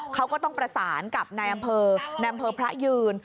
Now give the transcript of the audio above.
เขาก็ต้องประสานกับนายอำเภอในอำเภอพระยืน